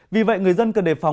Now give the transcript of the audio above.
vì vậy người dân cần đề phóng